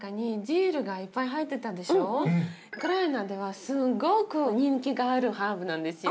ウクライナではすごく人気があるハーブなんですよ。